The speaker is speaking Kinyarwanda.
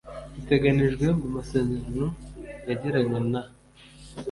Giteganijwe mu masezerano yagiranye na